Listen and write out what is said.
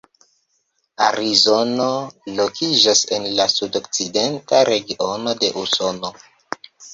Arizono lokiĝas en la sudokcidenta regiono de Usono.